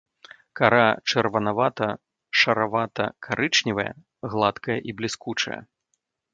Кара чырванавата-шаравата-карычневая, гладкая і бліскучая.